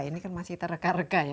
ini kan masih kita reka reka ya